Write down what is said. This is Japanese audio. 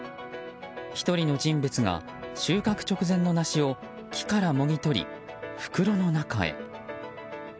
１人の人物が収穫直前の梨を木からもぎ取り袋の中へ。